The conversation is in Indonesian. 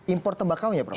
impor tembakaunya pak